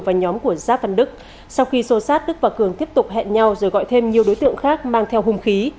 và nhóm của giáp văn đức sau khi sô sát đức và cường tiếp tục hẹn nhau rồi gọi thêm nhiều đối tượng khác mang theo hung khí